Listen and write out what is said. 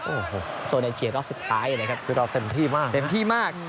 โอ้โหโซนเอเชียรอบสุดท้ายนะครับคือเราเต็มที่มากเต็มที่มาก